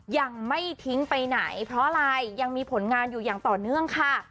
ยังไม่ทิ้งไปไหนเพราะอะไรยังมีผลงานอยู่อย่างต่อเนื่องค่ะ